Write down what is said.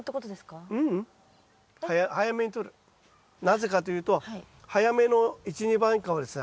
なぜかというと早めの一・二番果はですね